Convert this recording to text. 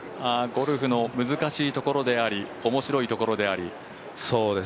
ゴルフの難しいところであり、おもしろいところであり。